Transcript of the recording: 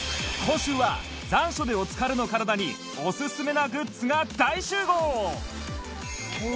今週は残暑でお疲れの体におすすめなグッズが大集合！